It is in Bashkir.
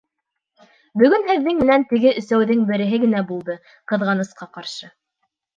Бөгөн һеҙҙең менән «теге өсәү»ҙең береһе генә булды, ҡыҙғанысҡа ҡаршы.»